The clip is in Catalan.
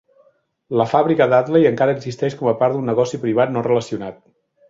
La fàbrica Dudley encara existeix com a part d'un negoci privat no relacionat.